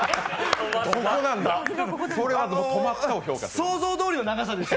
あの、想像どおりの長さでした。